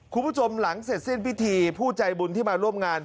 คุณผู้ชมหลังเสร็จสิ้นพิธีผู้ใจบุญที่มาร่วมงาน